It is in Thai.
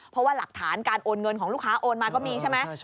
เพราะว่าหลักฐานการโอนเงินของลูกค้าโอนมาก็มีใช่ไหม